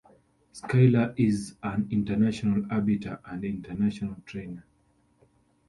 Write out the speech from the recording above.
Schiller is an International Arbiter and International Trainer.